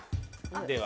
では。